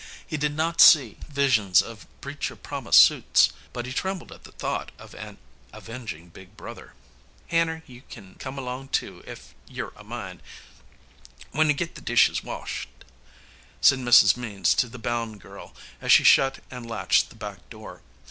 He did not see visions of breach of promise suits. But he trembled at the thought of an avenging big brother. "Hanner, you kin come along, too, ef you're a mind, when you git the dishes washed," said Mrs. Means to the bound girl, as she shut and latched the back door.